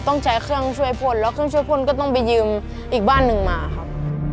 ต้องใช้เครื่องช่วยพ่นแล้วเครื่องช่วยพ่นก็ต้องไปยืมอีกบ้านหนึ่งมาครับ